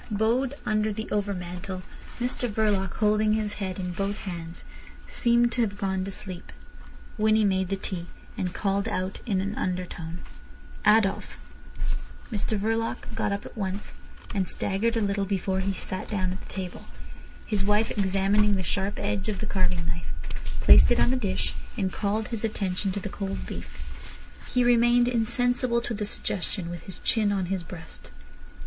Bowed under the overmantel, Mr Verloc, holding his head in both hands, seemed to have gone to sleep. Winnie made the tea, and called out in an undertone: "Adolf." Mr Verloc got up at once, and staggered a little before he sat down at the table. His wife examining the sharp edge of the carving knife, placed it on the dish, and called his attention to the cold beef. He remained insensible to the suggestion, with his chin on his breast.